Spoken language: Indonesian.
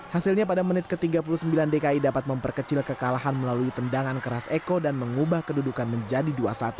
hasilnya pada menit ke tiga puluh sembilan dki dapat memperkecil kekalahan melalui tendangan keras eko dan mengubah kedudukan menjadi dua satu